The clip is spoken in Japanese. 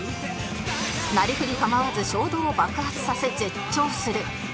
なりふり構わず衝動を爆発させ絶頂する